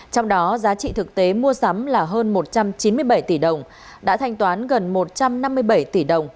trong đó giá trị thực tế mua sắm là hơn một trăm chín mươi bảy tỷ đồng đã thanh toán gần một trăm năm mươi bảy tỷ đồng